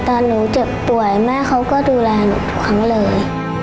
ตอนหนูเจ็บป่วยแม่เขาก็ดูแลหนูทุกครั้งเลย